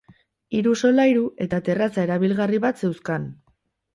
Hiru solairu eta terraza erabilgarri bat zeuzkan.